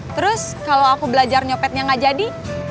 terus kalau aku belajar nyopetnya gak jadi